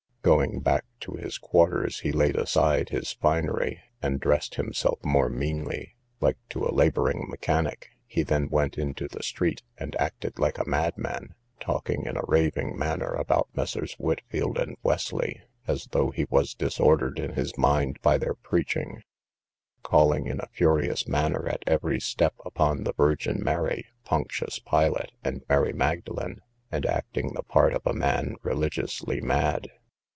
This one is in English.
Going back to his quarters, he laid aside his finery, and dressed himself more meanly, like to a labouring mechanic; he then went into the street, and acted like a madman, talking in a raving manner about Messrs. Whitfield and Wesley, as though he was disordered in his mind by their preaching; calling in a furious manner at every step upon the Virgin Mary, Pontius Pilate, and Mary Magdalen, and acting the part of a man religiously mad.